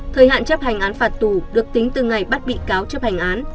thời hạn chấp hành án phạt tù được tính từ ngày bắt bị cáo chấp hành án